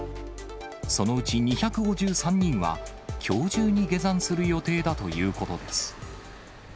そのうち２５３人は、きょう中に下山する予定だということです。